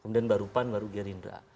kemudian baru pan baru gerindra